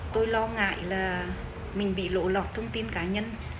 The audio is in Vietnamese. tôi lo ngại là mình bị lộ lọt thông tin cá nhân